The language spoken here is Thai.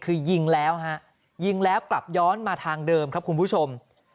คือยิงแล้วฮะยิงแล้วกลับย้อนมาทางเดิมครับคุณผู้ชม